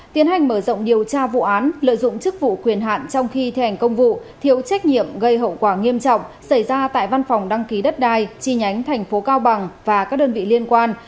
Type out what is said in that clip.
tiến hành mở rộng điều tra vụ án lợi dụng chức vụ quyền hạn trong khi thi hành công vụ thiếu trách nhiệm gây hậu quả nghiêm trọng xảy ra tại văn phòng đăng ký đất đai chi nhánh tp cao bằng và các đơn vị liên quan